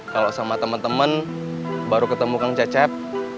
kalo sama temen temen baru ketemu kang cecep